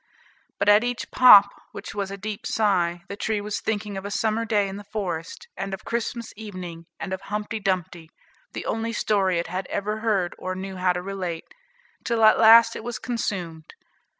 But at each "pop," which was a deep sigh, the tree was thinking of a summer day in the forest; and of Christmas evening, and of "Humpty Dumpty," the only story it had ever heard or knew how to relate, till at last it was consumed.